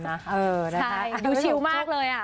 ใช่ดูชิวมากเลย